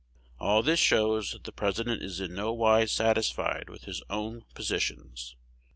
All this shows that the President is in no wise satisfied with his own positions.